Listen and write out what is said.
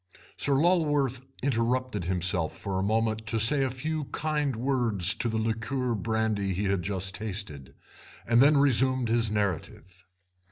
Sir Lulworth interrupted himself for a moment to say a few kind words to the liqueur brandy he had just tasted, and them resumed his narrative.